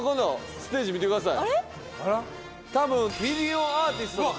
多分ミリオンアーティストの方。